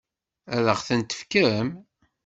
Ad ɣ-ten-tefkem?